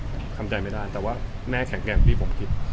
แต่คุณแม่ทำใจไปได้ไม่ได้แต่ว่าแม่แข็งแกนกว่าผมคิด